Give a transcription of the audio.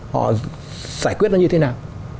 họ giải quyết nó như thế nào